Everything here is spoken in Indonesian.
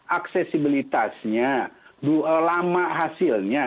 aksesibilitasnya lama hasilnya